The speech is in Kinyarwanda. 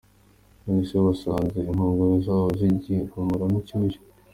None se wasanze inkongoro zaho zigihumuramo inshyushyu?